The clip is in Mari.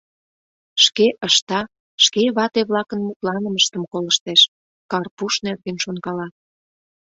Шке ышта, шке вате-влакын мутланымыштым колыштеш, Карпуш нерген шонкала.